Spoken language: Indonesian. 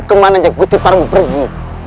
kemana gusti brabu pergi